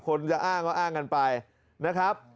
คนจะอ้างก็อ้างกันไปนะครับ